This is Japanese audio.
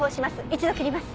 一度切ります。